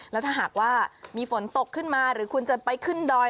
แล้วถ้าหากว่ามีฝนตกขึ้นมาหรือคุณจะไปขึ้นดอย